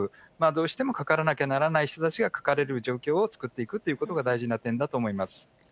どうしてもかからなきゃならない人たちがかかれる状況を作っていくということが大事な点だと思います。